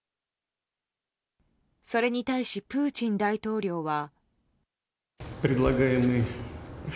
それに対し、プーチン大統領は。